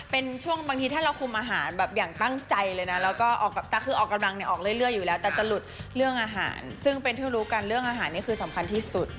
เป็นที่รู้กันเรื่องอาหารนี่คือสำคัญที่สุด